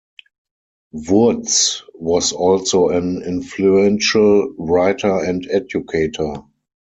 Wurtz was also an influential writer and educator.